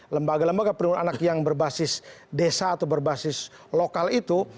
lembaga lembaga perlindungan anak yang berbasis desa atau berbasis lokal itu